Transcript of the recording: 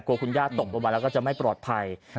กลัวคุณย่าตกประวัติแล้วก็จะไม่ปลอดภัย